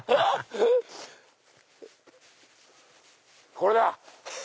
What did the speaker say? これだ！